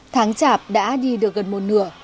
tháng chạp đã đi được gần một nửa